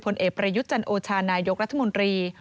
ประยุทธ์จันทร์โอชาณายกรัฐมนตรี